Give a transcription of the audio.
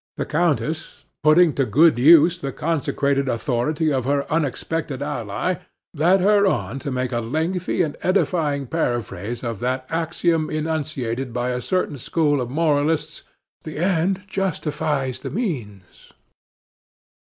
The countess, putting to good use the consecrated authority of her unexpected ally, led her on to make a lengthy and edifying paraphrase of that axiom enunciated by a certain school of moralists: "The end justifies the means."